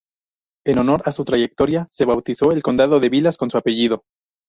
En honor a su trayectoria, se bautizó el Condado de Vilas con su apellido.